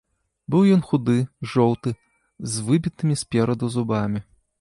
Быў ён худы, жоўты, з выбітымі спераду зубамі.